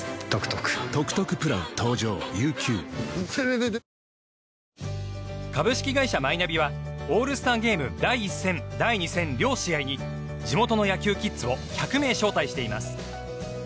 ダブルプレーということで株式会社マイナビはオールスターゲーム第１戦、第２戦両試合に地元の野球キッズを１００名招待しています。